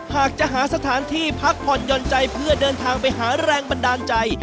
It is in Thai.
หากจะหาสถานที่พักผ่อนหย่อนใจเพื่อเดินทางไปหาแรงบันดาลใจ